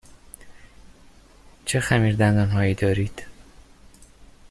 چه خمیردندان هایی دارید؟